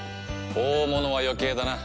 「大物」は余計だな。